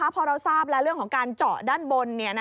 พอเราทราบแล้วเรื่องของการเจาะด้านบน